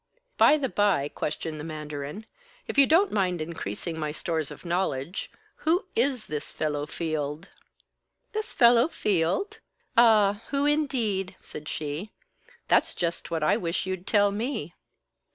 "By the bye," questioned the mandarin, "if you don't mind increasing my stores of knowledge, who is this fellow Field?" "This fellow Field? Ah, who indeed?" said she. "That's just what I wish you'd tell me."